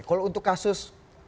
kalau untuk kasus